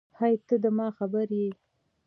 هی ته ده ما خبر یی